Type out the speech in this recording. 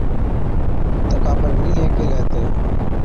تڪا پر مِينهِينَي ڪيهلَي تہ،